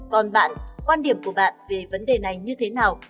còn bạn quan điểm của bạn về vấn đề này như thế nào